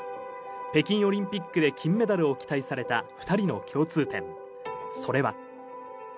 北京オリンピックで金メダルを期待された２人の共通点、それは。